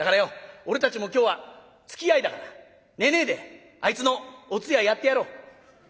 俺たちも今日はつきあいだから寝ねえであいつのお通夜やってやろう」。